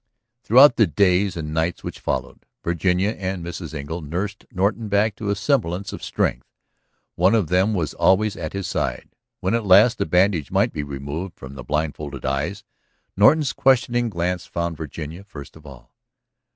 Throughout the days and nights which followed, Virginia and Mrs. Engle nursed Norton back into a semblance of strength. One of them was always at his side. When at last the bandage might be removed from the blindfolded eyes Norton's questing glance found Virginia first of all.